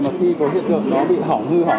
sau khi có hiện tượng nó bị hỏng hư hỏng